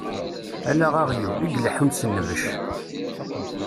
Ala aɣyul, i yeleḥḥun s nnbec.